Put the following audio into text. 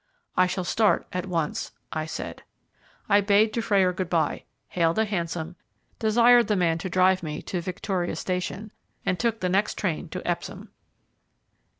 "I shall start at once," I said. I bade Dufrayer good bye, hailed a hansom, desired the man to drive me to Victoria Station, and took the next train to Epsom.